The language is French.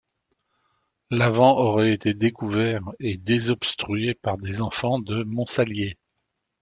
L'aven aurait été découvert et désobstrué par des enfants de Montsalier.